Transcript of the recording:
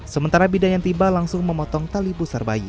sementara bidan yang tiba langsung memotong tali pusar bayi